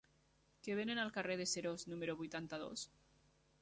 Què venen al carrer de Seròs número vuitanta-dos?